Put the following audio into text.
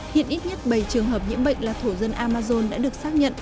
hiện ít nhất bảy trường hợp nhiễm bệnh là thổ dân amazon đã được xác nhận